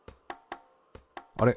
あれ？